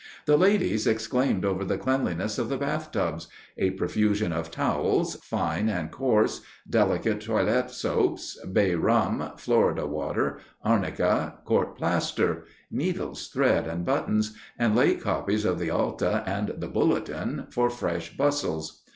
The ladies exclaimed over the cleanliness of the bathtubs; a profusion of towels, fine and coarse; delicate toilet soaps, bay rum, Florida water, arnica, court plaster; needles, thread, and buttons; and late copies of the Alta and the Bulletin for fresh "bustles."